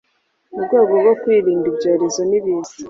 mu rwego rwo kwirinda ibyorezo n’ibiza